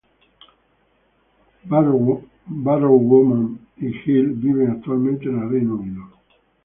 Barrowman y Gill viven actualmente en el Reino Unido.